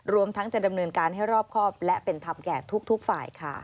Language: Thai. รวมทั้งจะดำเนินการให้รอบครอบและเป็นธรรมแก่ทุกฝ่ายค่ะ